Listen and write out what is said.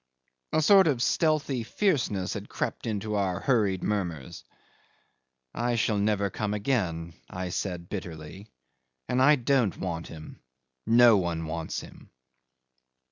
A sort of stealthy fierceness had crept into our hurried mutters. "I shall never come again," I said bitterly. "And I don't want him. No one wants him."